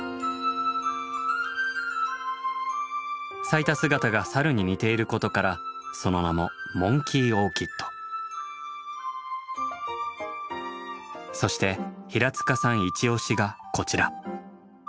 咲いた姿が猿に似ていることからその名もそして平さんいち押しがこちら。